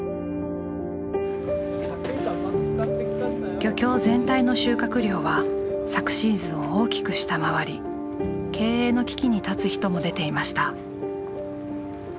漁協全体の収穫量は昨シーズンを大きく下回り経営の危機に立つ人も出ていました。